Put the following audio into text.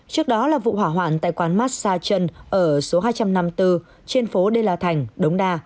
trước đó là vụ hỏa hoạn tại quán massageon ở số hai trăm năm mươi bốn trên phố đê la thành đống đa